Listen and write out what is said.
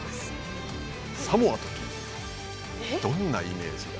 サモアと聞いてどんなイメージが？